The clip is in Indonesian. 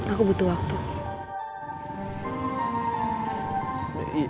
aku butuh waktu